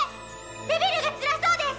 ネビルがつらそうです